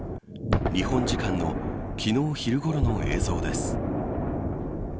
日本時間の昨日昼ごろの映像です。